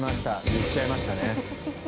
言っちゃいましたね。